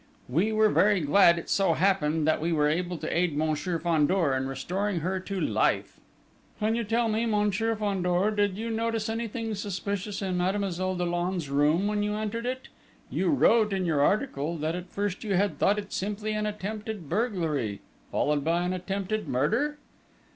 We were very glad it so happened, that we were able to aid Monsieur Fandor in restoring her to life." "Can you tell me, Monsieur Fandor, did you notice anything suspicious in Mademoiselle Dollon's room when you entered it? You wrote, in your article, that at first you had thought it simply an attempted burglary, followed by an attempted murder?"